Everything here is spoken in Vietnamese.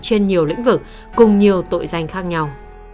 trên nhiều lĩnh vực cùng nhiều tội danh khác nhau